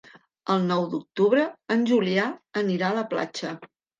El nou d'octubre en Julià anirà a la platja.